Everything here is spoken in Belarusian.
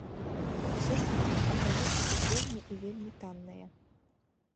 Усё ж такі, гарэлка тут вельмі і вельмі танная.